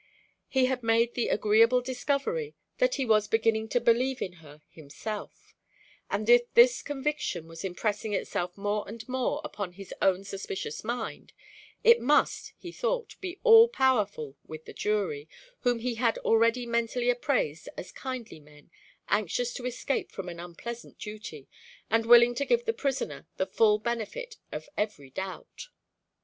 He had made the agreeable discovery that he was beginning to believe in her himself; and if this conviction was impressing itself more and more upon his own suspicious mind, it must, he thought, be all powerful with the jury, whom he had already mentally appraised as kindly men, anxious to escape from an unpleasant duty, and willing to give the prisoner the full benefit of every doubt.